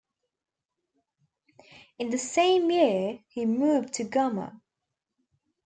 In the same year, he moved to Gama.